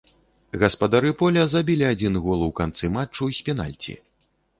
Гаспадары поля забілі адзін гол у канцы матчу з пенальці.